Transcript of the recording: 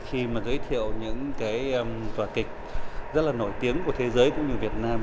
khi mà giới thiệu những cái vở kịch rất là nổi tiếng của thế giới cũng như việt nam